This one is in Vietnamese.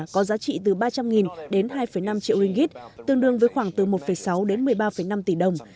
có giá trị từ ba trăm linh đến hai năm triệu ringgit tương đương với khoảng từ một sáu đến một mươi ba năm tỷ đồng